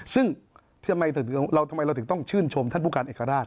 ซึ่งทำไมเราถึงต้องชื่นชมท่านผู้การเอกราช